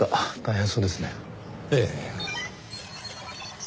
ええ。